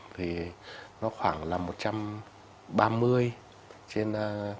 thì nó khoảng là một trăm ba mươi trên tám mươi tám mươi năm